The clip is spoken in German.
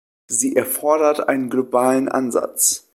Sie erfordert einen globalen Ansatz.